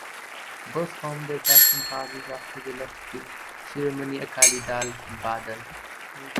Both formed their faction parties after they left the Shiromani Akali Dal (Badal).